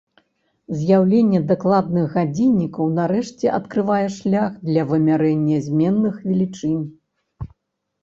З'яўленне дакладных гадзіннікаў нарэшце адкрывае шлях для вымярэння зменных велічынь.